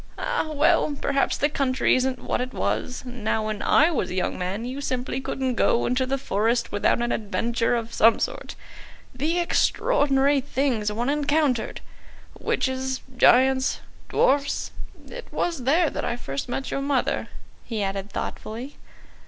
"Ah, well, perhaps the country isn't what it was. Now when I was a young man, you simply couldn't go into the forest without an adventure of some sort. The extraordinary things one encountered! Witches, giants, dwarfs . It was there that I first met your mother," he added thoughtfully.